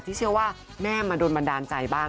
เชื่อว่าแม่มาโดนบันดาลใจบ้าง